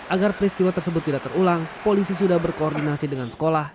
agar peristiwa tersebut tidak terulang polisi sudah berkoordinasi dengan sekolah